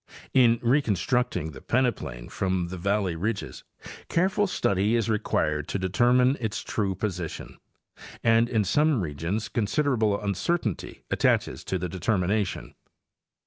In reconstruct ing the peneplain from the valley ridges, careful study is required to determine its true position, and in some regions considerable uncertainty attaches to the determination.